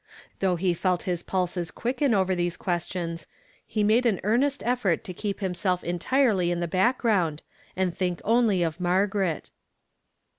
Though he felt his pulses quicken over these questions, he made an earnest effort to keep himself entirely in the background, and think only of Margaret.